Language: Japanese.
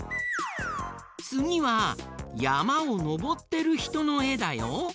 つぎはやまをのぼってるひとのえだよ。